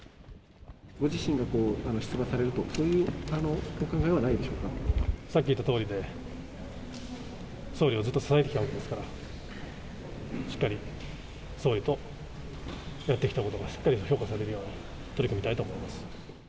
ご自身が出馬されると、さっき言ったとおりで、総理をずっと支えてきたわけですから、しっかり総理とやってきたことがしっかり評価されるように取り組みたいと思います。